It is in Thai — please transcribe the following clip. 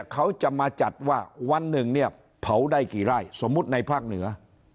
เขาจะมาจัดว่าวันหนึ่งเนี่ยเผาได้กี่ไร่สมมุติในภาคเหนือ